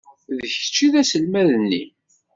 D kečč i d aselmad-nni.